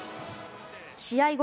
試合後